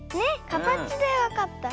かたちでわかった。